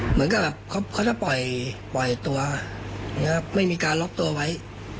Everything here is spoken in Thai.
เหมือนกับเขาจะปล่อยตัวไม่มีการล็อกตัวไว้